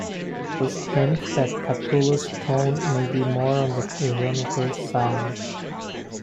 This hints that Catullus' tone might be more on the ironical side.